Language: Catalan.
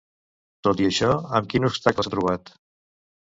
Tot i això, amb quin obstacle s'ha trobat?